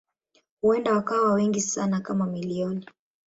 Huenda wakawa wengi sana kama milioni.